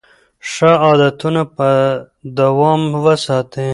ښه عادتونه په دوام وساتئ.